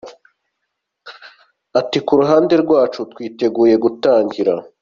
Ati” Ku ruhande rwacu twiteguye gutangira.